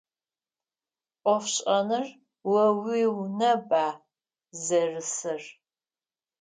Ӏофшӏэныр о уиунэба зэрысыр?